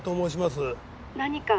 「何か？」